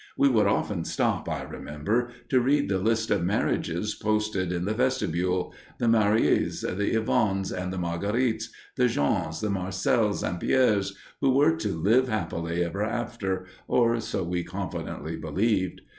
We would often stop, I remember, to read the list of marriages posted in the vestibule, the Maries, the Yvonnes, and the Marguerites, the Jeans, the Marcels, and Pierres who were to "live happily ever afterward," or so we confidently believed.